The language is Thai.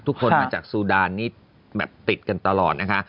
ทุกคนมาจากสุดาลติดกันตลอด